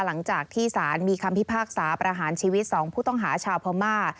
หลังจากที่สารมีคำพิพากษาประหารชีวิต๒ผู้ต้องหาชาวพม่า